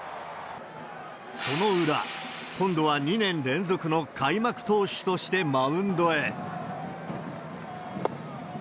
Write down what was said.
その裏、今度は２年連続の開幕投手としてマウンドへ。